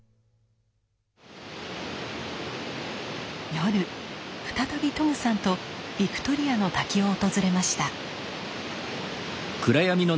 夜再びトムさんとビクトリアの滝を訪れました。